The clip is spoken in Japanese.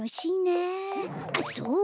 あっそうだ！